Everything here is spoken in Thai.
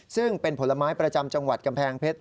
ซึ่งเป็นผลไม้ประจำจังหวัดกำแพงเพชร